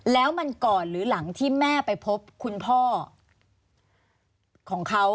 แล้วมันก่อนหรือหลังที่แม่ไปพบคุณพ่อของเขา